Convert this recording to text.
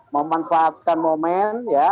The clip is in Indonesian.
memanfaatkan momen ya